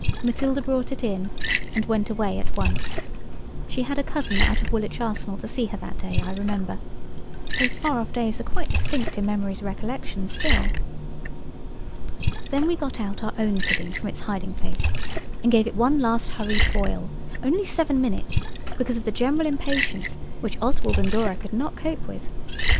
Matilda brought it in and went away at once. She had a cousin out of Woolwich Arsenal to see her that day, I remember. Those far off days are quite distinct in memory's recollection still. Then we got out our own pudding from its hiding place and gave it one last hurried boil–only seven minutes, because of the general impatience which Oswald and Dora could not cope with.